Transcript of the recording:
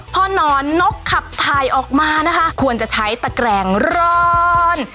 พอหนอนนกขับถ่ายออกมานะคะควรจะใช้ตะแกรงร้อน